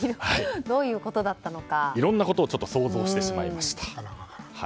いろんなことを想像してしまいました。